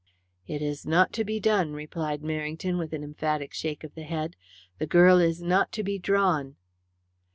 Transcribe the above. "It is not to be done," replied Merrington, with an emphatic shake of the head. "The girl is not to be drawn."